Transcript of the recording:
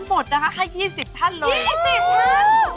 ให้๒๐ท่านเลย